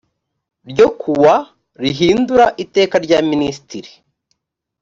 ryo kuwa rihindura iteka rya minisitiri